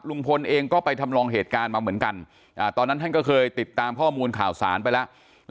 ลุงพลเองก็ไปทำลองเหตุการณ์มาเหมือนกันตอนนั้นท่านก็เคยติดตามข้อมูลข่าวสารไปแล้ว